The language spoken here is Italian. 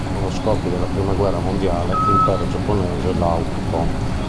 Con lo scoppio della prima guerra mondiale l'Impero giapponese la occupò.